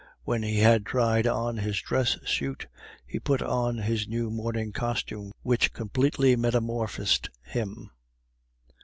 When he had tried on his dress suit, he put on his new morning costume, which completely metamorphosed him.